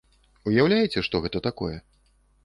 Уяўляеце, што гэта такое?